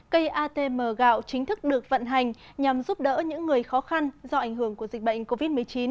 cây atm gạo chính thức được vận hành nhằm giúp đỡ những người khó khăn do ảnh hưởng của dịch bệnh covid một mươi chín